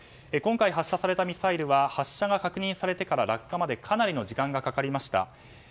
今回発射されたミサイルは発射が確認されてから落下までかなりの時間がかかりました。